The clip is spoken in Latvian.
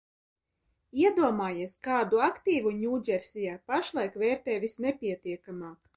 Iedomājies, kādu aktīvu Ņūdžersijā pašlaik vērtē visnepietiekamāk?